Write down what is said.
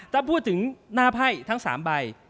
ถ้าพูดถึงหน้าไพ่ทั้ง๓ใบ